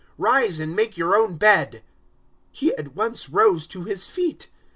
Rise and make your own bed." He at once rose to his feet.